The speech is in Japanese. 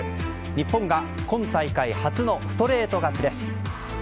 日本が今大会初のストレート勝ちです。